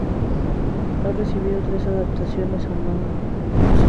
Ha recibido tres adaptaciones a manga.